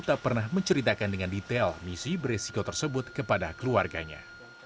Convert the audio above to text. tak pernah menceritakan dengan detail misi beresiko tersebut kepada keluarganya